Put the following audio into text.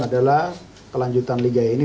adalah kelanjutan liga ini